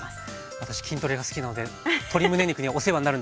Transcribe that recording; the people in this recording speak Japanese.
私筋トレが好きなので鶏むね肉にお世話になるんですが楽しみです。